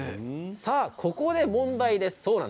ここで問題です。